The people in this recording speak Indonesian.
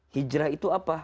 hijrah itu apa